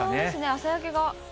朝焼けが。